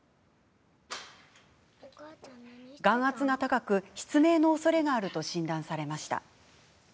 眼圧が高く、失明のおそれがあると診断されました。